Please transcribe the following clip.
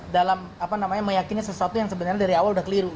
dalam apa namanya meyakini sesuatu yang sebenarnya dari awal udah keliru